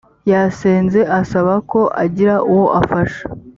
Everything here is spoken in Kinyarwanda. yasenze asaba ko yagira uwo afasha